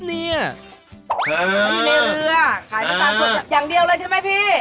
อ่าอ่าอ่าอ่าอยู่ในเรือขายน้ำตาลสดอย่างเดียวเลยใช่ไหมพี่